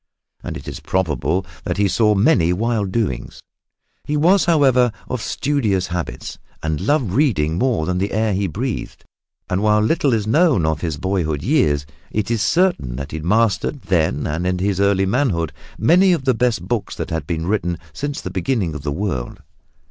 And it is probable that he saw many wild doings. He was, however, of studious habits and loved reading more than the air he breathed. And while little is known of his boyhood years, it is certain that he mastered then and in his early manhood many of the best books that had been written since the beginning of the world.